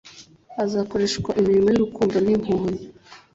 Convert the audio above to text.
Azakoreshwa imirimo y'urukundo n'impuhwe.